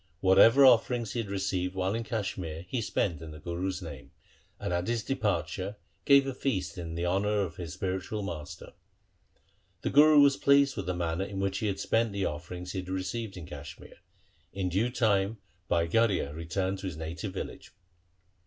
Whatever offerings he received while in Kashmir he spent in the Guru's name, and at his departure gave a feast in honour of his spiritual master. The Guru was pleased with the manner in which he had spent the offerings he had received in Kashmir. In due time Bhai Garhia returned to his native village.